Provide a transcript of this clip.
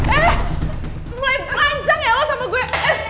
eh mulai kerancang ya lo sama gue